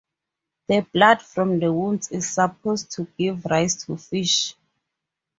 The blood from the wounds is supposed to give rise to fish.